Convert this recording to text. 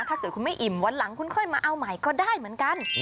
ถ้าเกิดคุณไม่อิ่มวันหลังคุณค่อยมาเอาใหม่ก็ได้เหมือนกัน